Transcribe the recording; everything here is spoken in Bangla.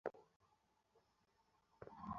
কতটুকু তাতে কিছু আসে যায় না।